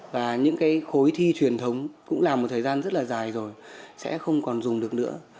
và những cái khối thi truyền thống cũng là một thời gian rất là dài rồi sẽ không còn dùng được nữa